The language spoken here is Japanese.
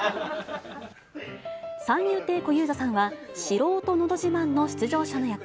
三遊亭小遊三さんは、素人のど自慢の出場者の役。